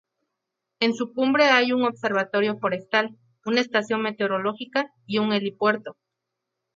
En su cumbre hay un observatorio forestal, una estación meteorológica y un helipuerto.